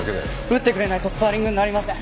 打ってくれないとスパーリングになりません。